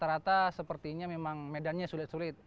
rata rata sepertinya memang medannya sulit sulit